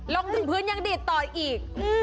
ลงถึงพื้นยังดีดต่ออีก